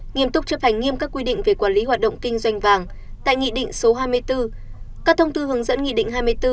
nghiêm túc chấp hành nghiêm các quy định về quản lý hoạt động kinh doanh vàng tại nghị định số hai mươi bốn các thông tư hướng dẫn nghị định hai mươi bốn